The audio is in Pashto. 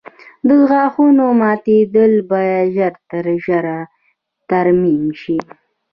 د غاښونو ماتېدل باید ژر تر ژره ترمیم شي.